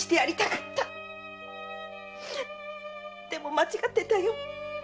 でも間違ってたよ。